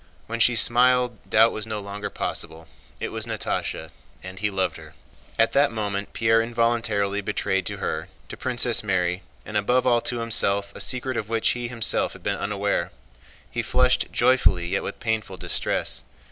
When she smiled doubt was no longer possible, it was Natásha and he loved her. At that moment Pierre involuntarily betrayed to her, to Princess Mary, and above all to himself, a secret of which he himself had been unaware. He flushed joyfully yet with painful distress.